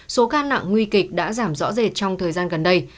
số ca nặng nguy kịch đã giảm rõ rệt trong thời gian gần đây